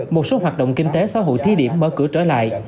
một số hoạt động kinh tế xã hội thí điểm mở cửa trở lại